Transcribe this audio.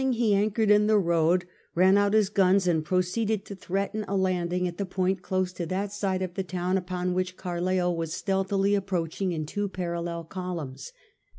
VIII CAPTURES ST, DOMINGO 105 guns, and proceeded to threaten a landing at a point close to that side of the town upon which Carleill was stealthily approaching in two parallel columns.